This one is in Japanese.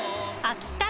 秋田。